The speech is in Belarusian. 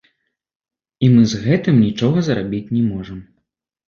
І мы з гэтым нічога зрабіць не можам.